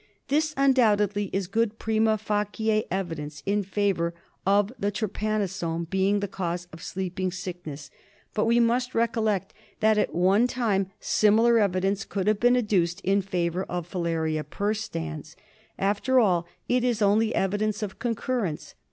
This, undoubtedly, is good prima facte evidence in favour of the trypanosoma being the cause of Sleeping Sickness. But we must recollect that at one time similar evidence could have been adduced in favour of Filaria perstans. After all it is only evidence of concurrence.